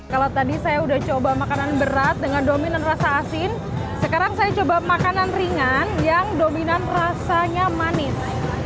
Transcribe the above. kalau tadi saya sudah coba makanan berat dengan dominan rasa asin sekarang saya coba makanan ringan yang dominan rasanya manis